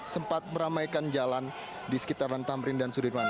sempat meramaikan jalan di sekitaran tamrin dan sudirman